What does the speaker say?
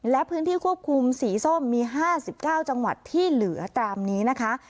และพื้นที่ควบคุมสีส้มมี๕๙จังหวัดที่เหลือตามนี้นะคะ